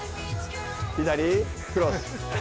左クロス。